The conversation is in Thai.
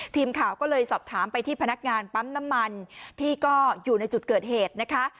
ทีมข่าวก็เลยสอบถามไปที่พนักงานปั๊มน้ำมันที่ก็อยู่ในจุดเกิดเหตุนะคะ